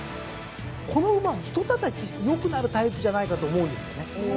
この馬はひとたたきして良くなるタイプじゃないかと思うんですよね。